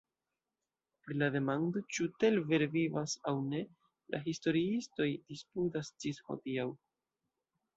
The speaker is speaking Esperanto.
Pri la demando, ĉu Tell vere vivas aŭ ne, la historiistoj disputas ĝis hodiaŭ.